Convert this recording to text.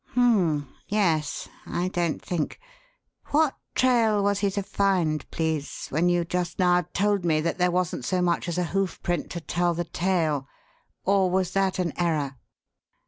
"H'm! Yes! I don't think! What 'trail' was he to find, please, when you just now told me that there wasn't so much as a hoofprint to tell the tale? Or was that an error?"